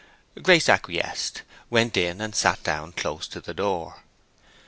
Grace acquiesced, went in, and sat down close to the door.